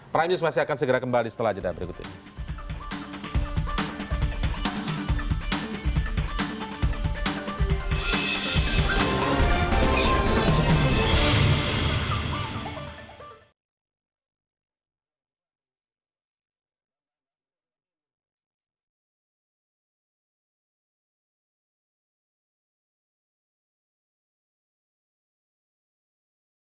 prime news masih akan segera kembali setelah jadwal berikut ini